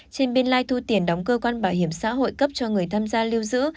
trên biên lai thu tiền đóng cơ quan bảo hiểm xã hội cấp cho người tham gia lưu giữ